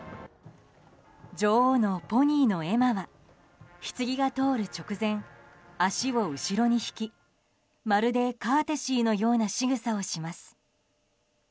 女王のポニーのエマはひつぎが通る直前足を後ろに引きまるでカーテシーのようなしぐさをします。